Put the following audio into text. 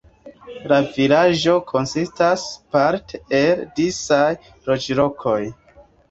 La vilaĝo konsistas parte el disaj loĝlokoj.